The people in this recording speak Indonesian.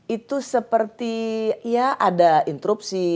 itu seperti ya ada interupsi